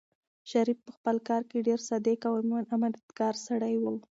شریف په خپل کار کې ډېر صادق او امانتکار سړی و.